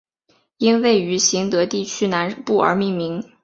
因位于行德地区南部而命名。